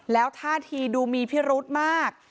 แล้วท่าทีดูมีพิรุธมาก